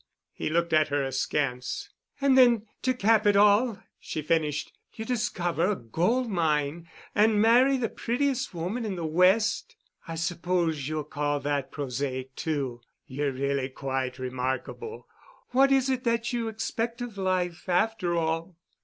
He looked at her askance. "And then, to cap it all," she finished, "you discover a gold mine, and marry the prettiest woman in the West. I suppose you'll call that prosaic, too. You're really quite remarkable. What is it that you expect of life after all?"